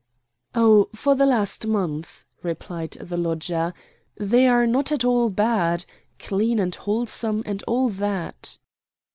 "Oh, for the last month," replied the lodger; "they are not at all bad clean and wholesome and all that."